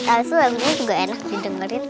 abis itu lagunya juga enak didengarin